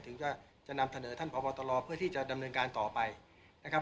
ถึงจะนำเสนอท่านพบตรเพื่อที่จะดำเนินการต่อไปนะครับ